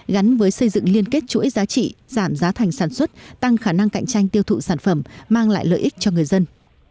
gắn với xây dựng liên kết chuỗi giá trị giảm giá thành sản xuất tăng khả năng cạnh tranh tiêu thụ sản phẩm mang lại lợi ích cho người dân